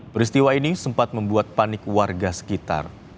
peristiwa ini sempat membuat panik warga sekitar